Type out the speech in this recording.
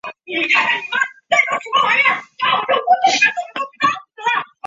装饰陶器显示了经典的波斯园林垂直交叉式结构。